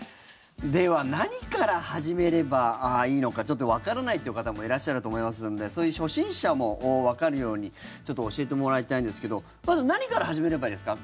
では何から始めればいいのかちょっとわからないという方もいらっしゃると思いますんでそういう初心者もわかるように教えてもらいたいんですけどまず何から始めればいいですか？